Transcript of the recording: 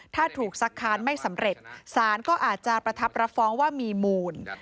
ถ้าถูกสักค้านไม่สำเร็จสารก็อาจจะประทับรับฟ้องว่ามีมูล